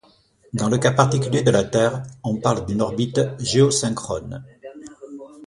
Dans le cas particulier de la Terre, on parle d'une orbite géosynchrone.